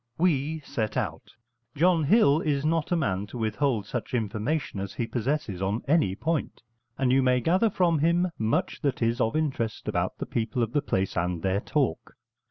We set out; John Hill is not a man to withhold such information as he possesses on any point, and you may gather from him much that is of interest about the people of the place and their talk.